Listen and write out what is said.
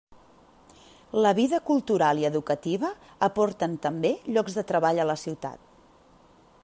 La vida cultural i educativa aporten també llocs de treball a la ciutat.